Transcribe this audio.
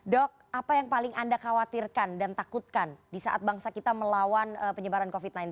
dok apa yang paling anda khawatirkan dan takutkan di saat bangsa kita melawan penyebaran covid sembilan belas